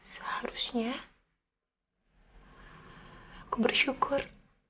seharusnya aku bersyukur